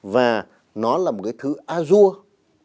và nó là một cái thứ azure